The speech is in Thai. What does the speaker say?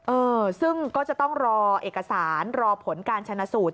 เออซึ่งก็จะต้องรอเอกสารรอผลการชนะสูตร